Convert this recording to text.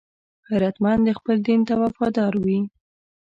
غیرتمند خپل دین ته وفادار وي